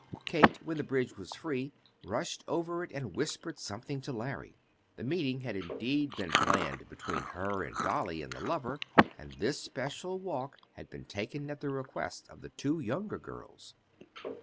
Kate, when the bridge was free, rushed over it and whispered something to Larry. The meeting had indeed been planned between her and Dolly and the lover, and this special walk had been taken at the request of the two younger girls.